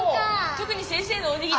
とくに先生のおにぎり。